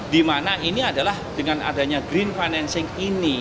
dimana ini adalah dengan adanya green financing ini